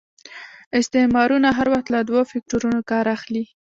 استعمارونه هر وخت له دوه فکټورنو کار اخلي.